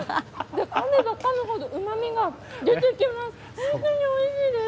かめばかむほどうまみが出てきます。